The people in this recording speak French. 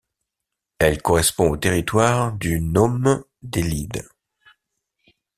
Elle correspond au territoire du nome d'Élide.